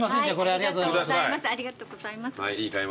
ありがとうございます。